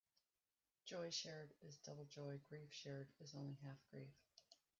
Joy shared is double joy; grief shared is only half grief.